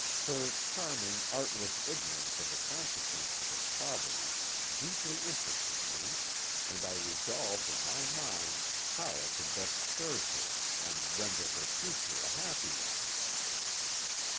Her charming, artless ignorance of the consequences of poverty deeply interested me, and I resolved in my mind how I could best serve her and render her future a happy one.